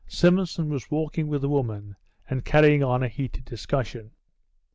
Simonson was walking with the woman and carrying on a heated discussion.